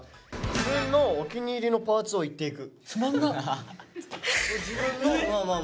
「自分のお気に入りのパーツを言っていく」。